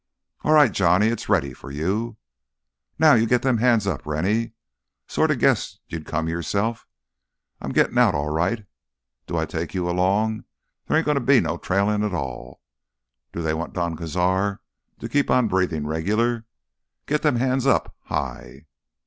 "All right, Johnny, it's ready for you." "Now you git them hands up, Rennie. Sorta guessed you'd come yourself. I'm gittin' out, all right. Do I take you along there ain't goin' to be no trailin', none 'tall—do they want Don Cazar to keep on breathing regular. Git them hands up, high!"